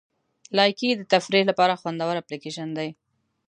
لایکي د تفریح لپاره خوندوره اپلیکیشن دی.